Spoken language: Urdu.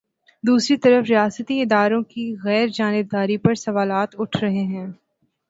دوسری طرف ریاستی اداروں کی غیر جانب داری پر سوالات اٹھ رہے ہیں۔